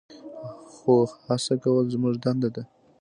خو هڅه کول زموږ دنده ده.